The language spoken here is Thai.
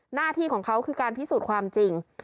หน้าที่ของเขาคือการพิสูจน์ความจริง